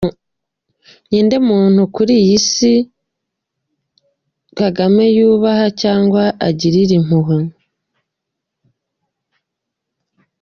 Ninde muntu kuri iyi se kagame yubaha cyangwa agirira impuhwe?